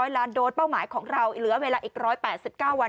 ล้านโดสเป้าหมายของเราเหลือเวลาอีก๑๘๙วัน